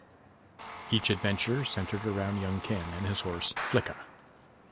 Each adventure centered around young Ken and his horse Flicka.